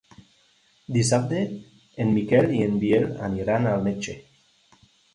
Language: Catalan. Dissabte en Miquel i en Biel aniran al metge.